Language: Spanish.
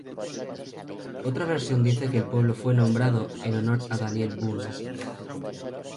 Otra versión dice que el pueblo fue nombrado en honor a Daniel Boone.